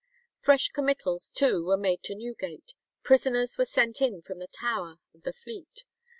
Fresh committals, too, were made to Newgate; prisoners were sent in from the Tower and the Fleet.